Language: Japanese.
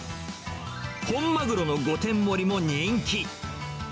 本マグロの五点盛りも人気。